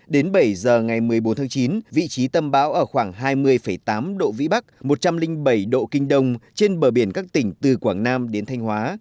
đến bảy giờ ngày một mươi bốn tháng chín vị trí tâm bão ở khoảng hai mươi tám độ vĩ bắc một trăm linh bảy độ kinh đông trên bờ biển các tỉnh từ quảng nam đến thanh hóa